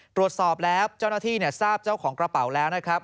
ตรวจสอบแล้วเจ้าหน้าที่ทราบเจ้าของกระเป๋าแล้วนะครับ